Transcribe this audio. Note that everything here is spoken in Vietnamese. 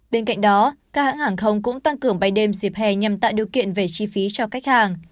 bên cạnh đó các hãng hàng không cũng tăng cường bay đêm dịp hè nhằm tạo điều kiện về chi phí cho khách hàng